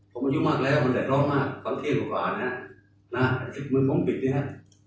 ผมอยู่มากแล้วมันแดดรอมากความเที่ยงของลูกอานะคะรถชิ้นมือผมผิดเนี้ยฮะ